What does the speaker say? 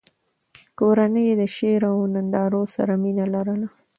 کورنۍ یې د شعر او نندارو سره مینه لرله.